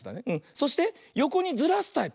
そしてよこにずらすタイプ。